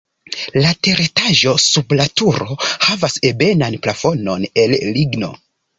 La teretaĝo sub la turo havas ebenan plafonon el ligno.